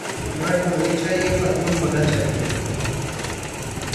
مرد ہونی چاہئے خاتون ہونا چاہئے